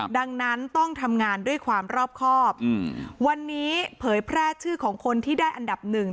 ดังนั้นต้องทำงานด้วยความรอบครอบวันนี้เผยแพร่ชื่อของคนที่ได้อันดับหนึ่ง